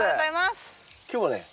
今日はね